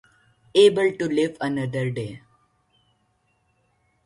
Able to live another day.